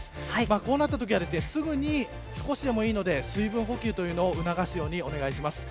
こうなったときは少しでもいいので水分補給を促すようにお願いします。